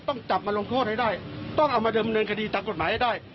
ต้องจับมาลงโทษให้ได้ต้องเอามาเดิมเนินคดีตามกฎหมายให้ได้